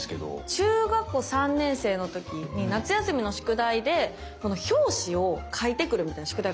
中学校３年生の時に夏休みの宿題で表紙を描いてくるみたいな宿題があったんですよ。